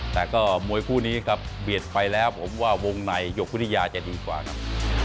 แต่ก็มวยคู่นี้ครับเบียดไปแล้วผมว่าวงในยกวิทยาจะดีกว่าครับ